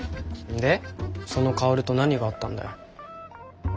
でその薫と何があったんだよ。